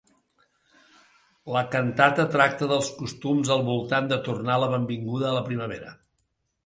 La cantata tracta els costums al voltant de donar la benvinguda a la primavera.